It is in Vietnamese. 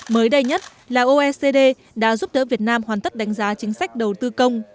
mới đây nhất là oecd đã giúp đỡ việt nam hoàn tất đánh giá chính sách đầu tư công